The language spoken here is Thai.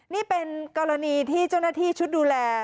นี่เป็นกรณีที่เจ้าหน้าที่ชุดดูแล